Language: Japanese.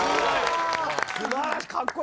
素晴らしい。